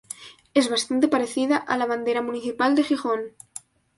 Es bastante parecida a la bandera municipal de Gijón.